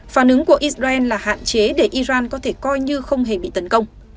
phản ứng của israel là hạn chế để iran có thể coi như không hề bị tấn công